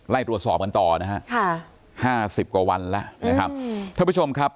ไล่ตัวสอบกันต่อนะครับ๕๐กว่าวันแล้วผมท่านผู้ชมครับ